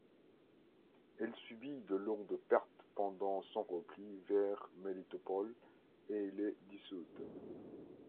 Elle subit de lourdes pertes pendant son repli vers Melitopol et elle est dissoute.